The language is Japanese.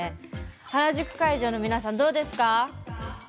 原宿会場の皆さんどうですか？